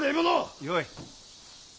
よい。